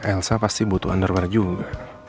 elsa pasti butuh underwear juga